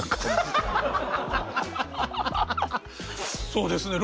そうですね。